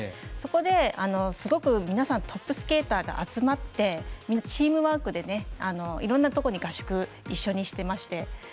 そこで、すごく皆さんトップスケーターで集まって、みんなチームワークでいろんなところに合宿一緒にしていまして。